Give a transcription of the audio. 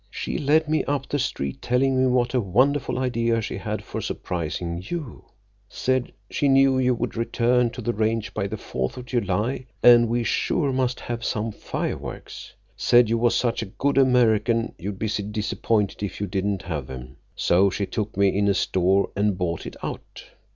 She led me up the street, telling me what a wonderful idea she had for surprisin' you. Said she knew you would return to the Range by the Fourth of July and we sure must have some fireworks. Said you was such a good American you'd be disappointed if you didn't have 'em. So she took me in a store an' bought it out.